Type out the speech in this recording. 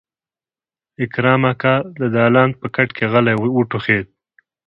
اکرم اکا د دالان په کټ کې غلی وټوخېد.